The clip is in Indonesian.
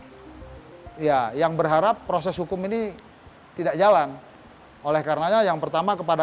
ya yang berharap proses hukum ini tidak jalan oleh karenanya yang pertama kepada